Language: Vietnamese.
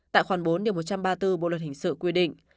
tại khoản bốn điều một trăm ba mươi bốn bộ luật hình sự quy định